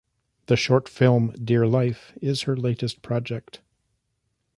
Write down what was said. The short film "Dear Life" is her latest project.